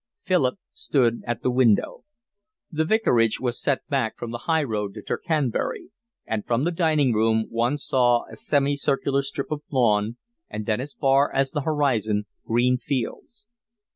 Philip stood at the window. The vicarage was set back from the highroad to Tercanbury, and from the dining room one saw a semicircular strip of lawn and then as far as the horizon green fields.